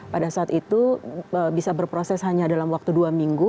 pada saat itu bisa berproses hanya dalam waktu dua minggu